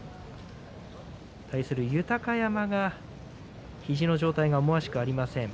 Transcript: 対する豊山が肘の状態が思わしくありません。